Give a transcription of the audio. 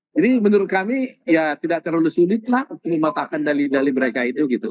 jadi menurut kami ya tidak terlalu sulit lah mematahkan dari mereka itu gitu